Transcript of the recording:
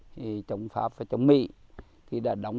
thì chống pháp và chống mỹ thì đã đóng